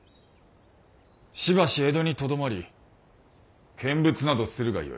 しばし江戸にとどまり見物などするがよい。